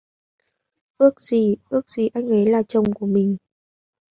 Ước gì ước gì anh ấy là chồng của mình